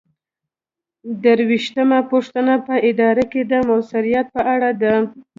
درویشتمه پوښتنه په اداره کې د مؤثریت په اړه ده.